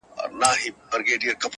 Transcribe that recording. عمر تېر سو پاچا زوړ نیوي کلن سو؛